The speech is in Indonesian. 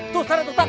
tuh sana tuh kang